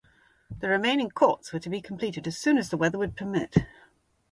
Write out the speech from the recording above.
The remaining courts were to be completed as soon as the weather would permit.